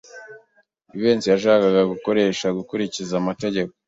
Jivency yashakaga kureka gukurikiza amategeko.